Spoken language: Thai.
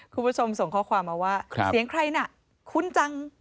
คุณผู้ชมส่งข้อความมาว่าเสียงใครน่ะคุ้นจัง